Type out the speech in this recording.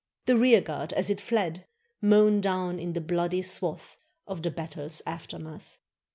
The rear guard as it fled, Mown down in the bloody swath Of the battle's aftermath.